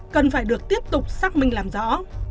cần phải được tiếp tục xác minh làm rõ